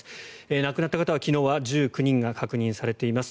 亡くなった方は昨日は１９人確認されています。